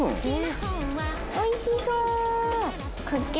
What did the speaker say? おいしそ。